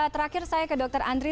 terakhir saya ke dr andri